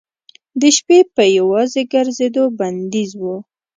د شپې په یوازې ګرځېدو بندیز و.